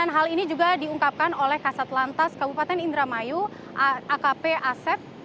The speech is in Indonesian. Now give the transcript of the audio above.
kepada kepala kabupaten indramayu akp asep